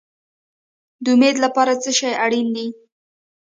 د امید لپاره څه شی اړین دی؟